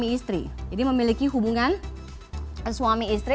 ini memiliki hubungan suami istri